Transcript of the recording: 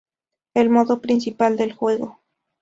El modo principal del juego.